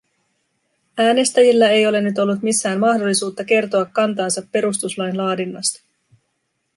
Äänestäjillä ei ole nyt ollut missään mahdollisuutta kertoa kantaansa perustuslain laadinnasta.